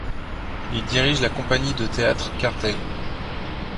Il dirige la compagnie de théâtre Quartel.